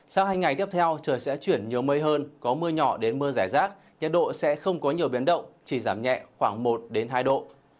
sau hai ngày tiếp theo trời sẽ chuyển nhiều mây hơn có mưa nhỏ đến mưa rải rác nhiệt độ sẽ không có nhiều biến động chỉ giảm nhẹ khoảng một hai độ